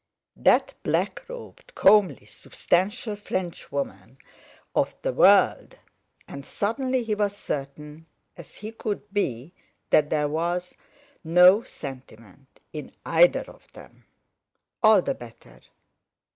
That black robed, comely, substantial Frenchwoman of the world! And suddenly he was certain as he could be that there was no sentiment in either of them. All the better.